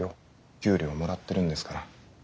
給料もらってるんですから。